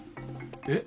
えっ？